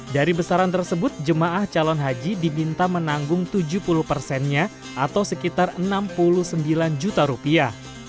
dari besaran tersebut jemaah calon haji diminta menanggung tujuh puluh persennya atau sekitar enam puluh sembilan juta rupiah